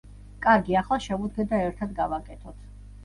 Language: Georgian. კარგი, ახლა შევუდგეთ და ერთად გავაკეთოთ.